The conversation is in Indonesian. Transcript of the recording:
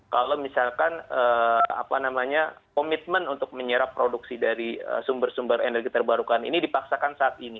kalau misalkan komitmen untuk menyerap produksi dari sumber sumber energi terbarukan ini dipaksakan saat ini